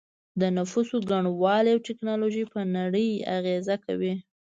د نفوسو ګڼوالی او ټیکنالوژي په نړۍ اغیزه کوي